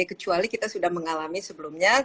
kecuali kita sudah mengalami sebelumnya